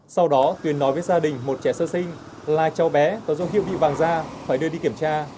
sau đó tuyền nói với gia đình một trẻ sơ sinh là cháu bé có dấu hiệu bị vàng da phải đưa đi kiểm tra